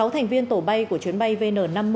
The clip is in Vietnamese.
một mươi sáu thành viên tổ bay của chuyến bay vn năm mươi